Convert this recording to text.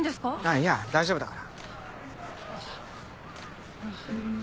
いや大丈夫だから。